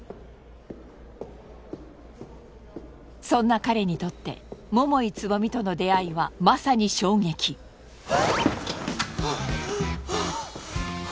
そんな彼にとって桃井蕾未との出会いはまさに衝撃はあはあ